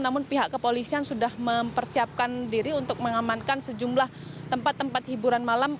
namun pihak kepolisian sudah mempersiapkan diri untuk mengamankan sejumlah tempat tempat hiburan malam